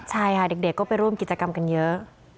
ใช่ค่ะเด็กก็ไปร่วมกิจกรรมกันเยอะ